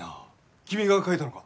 君が描いたのか？